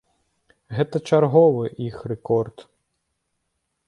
Гэта чарговы іх рэкорд.